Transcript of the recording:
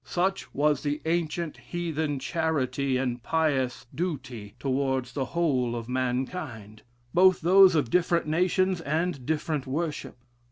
Such was the ancient heathen charity and pious duty towards the whole of mankind; both those of different nations and different worship.